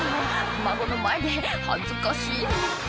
孫の前で恥ずかしい」